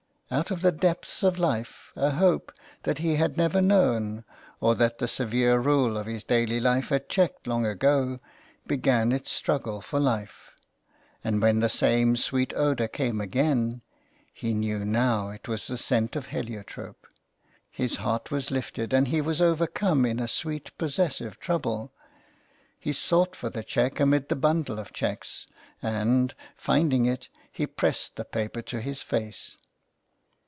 Out of the depths of life a hope that he had never known, or that the severe rule of his daily life had checked long ago, began its struggle for life ; and when the same sweet odour came again — he knew now it was the scent of heliotrope — his heart was lifted and he was overcome in a sweet possessive trouble. He sought for the cheque amid the bundle of cheques and, finding it, he pressed the paper to his face.